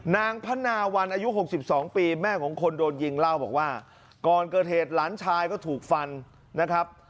นางพนาวันอายุ๖๒ปีแม่ของคนโดนยิงเล่าบอกว่าก่อนเกิดเหตุหลานชายก็ถูกฟันนะครับ